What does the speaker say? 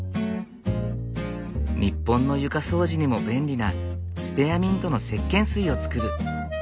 日本の床掃除にも便利なスペアミントのせっけん水を作る。